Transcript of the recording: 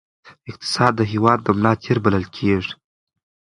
اقتصاد د هېواد د ملا تیر بلل کېږي.